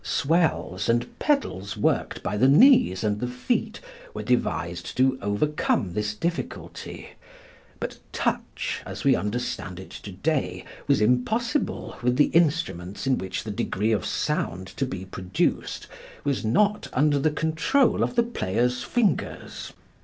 Swells and pedals worked by the knees and the feet were devised to overcome this difficulty, but "touch" as we understand it to day was impossible with the instruments in which the degree of sound to be produced was not under the control of the player's fingers.